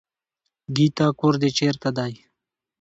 ګيتا کور دې چېرته دی.